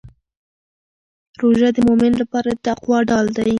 روژه د مؤمن لپاره د تقوا ډال دی.